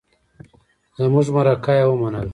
زمونږ مرکه يې ومنله.